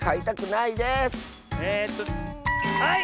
えっとはい！